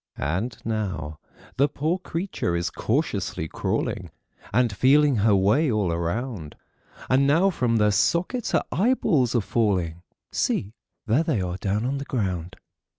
And now the poor creature is cautiously crawling And feeling her way all around; And now from their sockets her eyeballs are falling; See, there they are down on the ground.